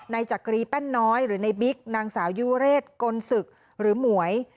จักรีแป้นน้อยหรือในบิ๊กนางสาวยุวเรศกลศึกหรือหมวย